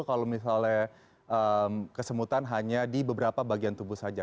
kalau misalnya kesemutan hanya di beberapa bagian tubuh saja